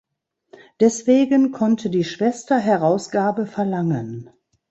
Deswegen konnte die Schwester Herausgabe verlangen.